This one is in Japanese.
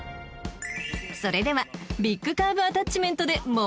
［それではビッグカーブアタッチメントでもも裏も体験！］